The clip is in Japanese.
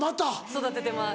育ててます。